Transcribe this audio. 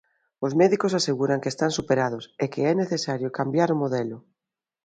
Os médicos aseguran que están superados e que é necesario cambiar o modelo.